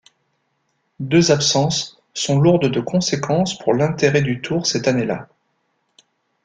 Deux absences sont lourdes de conséquences pour l'intérêt du tour cette année-là.